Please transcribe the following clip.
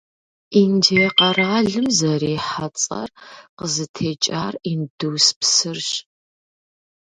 Индие къэралым зэрихьэ цӀэр къызытекӀар Индус псырщ.